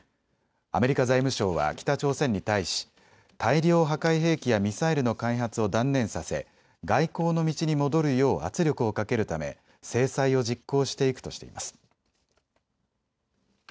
アメリカ財務省は北朝鮮に対し大量破壊兵器やミサイルの開発を断念させ外交の道に戻るよう圧力をかけるため制裁を実行していくとしています。